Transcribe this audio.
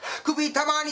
たまに